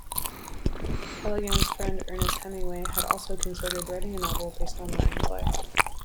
Callaghan's friend Ernest Hemingway had also considered writing a novel based on Ryan's life.